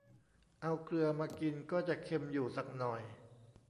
เอาเกลือมากินก็จะเค็มอยู่สักหน่อย